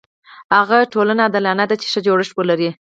هغه ټولنه عادلانه ده چې ښه جوړښت ولري.